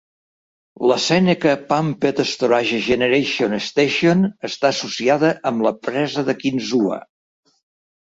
La "Seneca Pumped Storage Generating Station" està associada amb la presa de Kinzua.